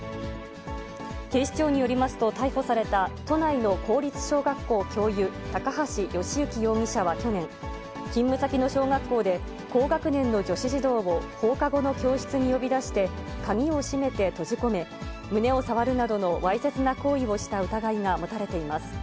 警視庁によりますと、逮捕された都内の公立小学校教諭、高橋慶行容疑者は去年、勤務先の小学校で高学年の女子児童を放課後の教室に呼び出して、鍵を閉めて閉じ込め、胸を触るなどのわいせつな行為をした疑いが持たれています。